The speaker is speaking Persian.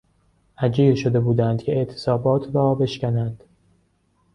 اجیر شده بودند که اعتصابات را بشکنند.